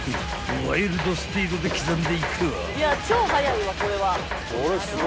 ［ワイルドスピードで刻んでいかぁ］